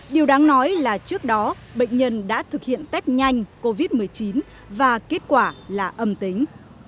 điều đáng nói là trước đó bệnh nhân đã thực hiện test nhanh covid một mươi chín và kết quả là âm tính